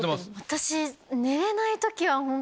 私。